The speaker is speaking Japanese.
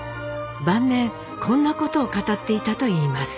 晩年こんなことを語っていたといいます。